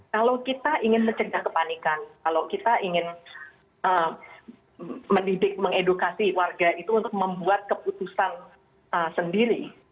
kalau kita ingin mencegah kepanikan kalau kita ingin mendidik mengedukasi warga itu untuk membuat keputusan sendiri